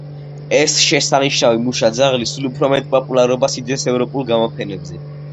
ეს შესანიშნავი მუშა ძაღლი სულ უფრო მეტ პოპულარობას იძენს ევროპულ გამოფენებზე.